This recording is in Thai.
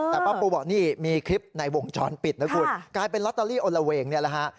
แต่ป้าปูบอกนี่มีคลิปในวงจรปิดนะคุณกลายเป็นลอตเตอรี่อลละเวงเนี่ยแหละฮะ